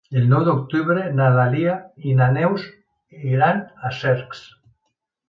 El nou d'octubre na Dàlia i na Neus iran a Cercs.